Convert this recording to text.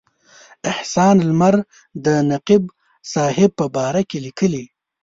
احسان لمر د نقیب صاحب په باره کې لیکي.